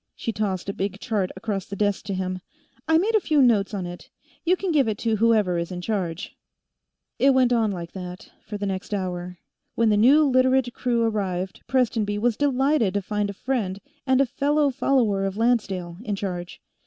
She tossed a big chart across the desk to him. "I made a few notes on it; you can give it to whoever is in charge." It went on, like that, for the next hour. When the new Literate crew arrived, Prestonby was delighted to find a friend, and a fellow follower of Lancedale, in charge.